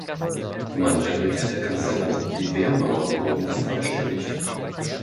Man errichtete Kasernen, die Wehrmauern wurden vervollständigt.